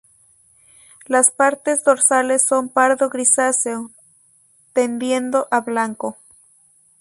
Las partes dorsales son pardo grisáceo, tendiendo a blanco.